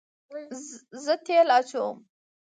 زه تیل اچوم